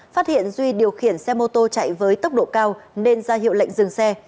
phát hiện duy điều khiển xe mô tô chạy với tốc độ cao nên ra hiệu lệnh dừng xe